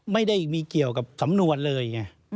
ไม่ได้มีเกี่ยวกับสำนวนเลยไง